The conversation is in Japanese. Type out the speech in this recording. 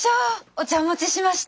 お茶お持ちしました。